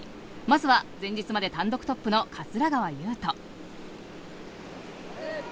まずは前日まで単独トップの桂川有人。